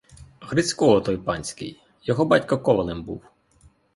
Грицько отой панський: його батько ковалем був.